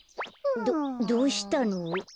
どどうしたの？